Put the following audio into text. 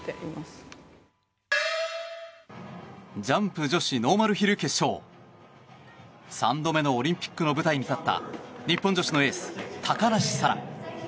ジャンプ女子ノーマルヒル決勝３度目のオリンピックの舞台に立った日本女子のエース、高梨沙羅。